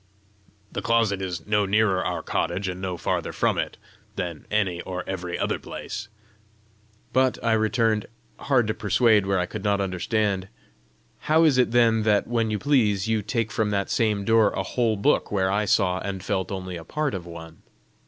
"The closet is no nearer our cottage, and no farther from it, than any or every other place." "But," I returned, hard to persuade where I could not understand, "how is it then that, when you please, you take from that same door a whole book where I saw and felt only a part of one?